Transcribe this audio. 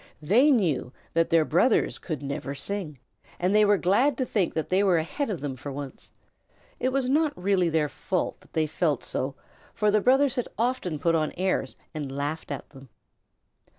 They knew that their brothers could never sing, and they were glad to think that they were ahead of them for once. It was not really their fault that they felt so, for the brothers had often put on airs and laughed at them.